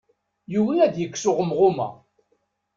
Yugi ad yekkes uɣemɣum-a.